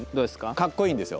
かっこいいんですよ！